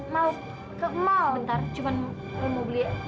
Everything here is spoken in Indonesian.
mau ke malu